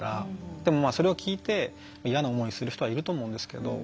でもそれを聞いて嫌な思いをする人はいると思うんですけど。